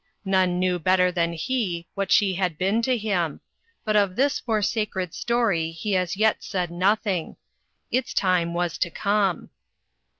None knew better than he, what she had been to him ; but of this more sacred story he as yet said nothing. Its time was to come.